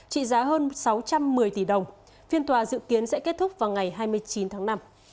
trị giá hơn sáu trăm một mươi tỷ đồng phiên tòa dự kiến sẽ kết thúc vào ngày hai mươi chín tháng năm